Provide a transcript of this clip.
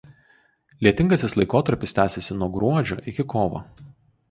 Lietingasis laikotarpis tęsiasi nuo gruodžio iki kovo.